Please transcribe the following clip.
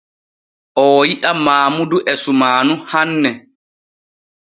Oo yi’a Maamudu e sumaanu hanne.